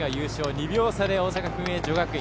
２秒差で大阪薫英女学院。